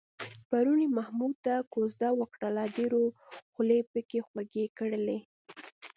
پرون یې محمود ته کوزده وکړله، ډېرو خولې پکې خوږې کړلې.